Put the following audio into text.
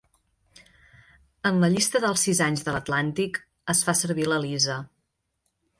En la llista dels sis anys de l'"Atlantic", es fa servir la Lisa.